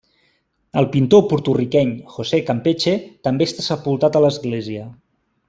El pintor porto-riqueny José Campeche també està sepultat a l'església.